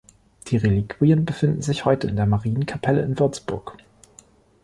Die Reliquien befinden sich heute in der Marienkapelle in Würzburg.